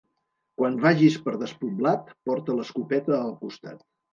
Quan vagis per despoblat, porta l'escopeta al costat.